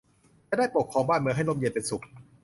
จะได้ปกครองบ้านเมืองให้ร่มเย็นเป็นสุข